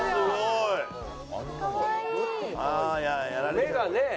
目がね。